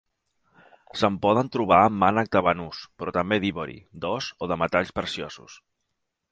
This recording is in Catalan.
Se'n poden trobar amb mànec de banús, però també d'ivori, d'os o de metalls preciosos.